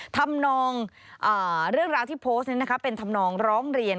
ทำนองเรื่องราวที่โพสต์นี้นะคะเป็นธรรมนองร้องเรียน